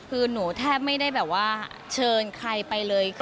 คือหนูแทบไม่ได้แบบว่าเชิญใครไปเลย